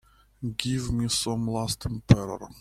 give me some Last Emperor